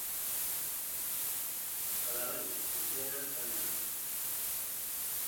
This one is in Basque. Alabaina, zuzena al da?